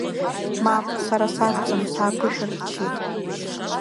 Мап, сара сакәӡам, сааԥышәырччеит.